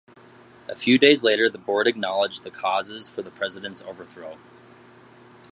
A few days later, the Board acknowledged the causes for the President's overthrow.